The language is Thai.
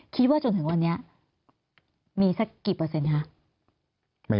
คิดว่าจนถึงวันนี้มีสักกี่เปอร์เซ็นต์คะ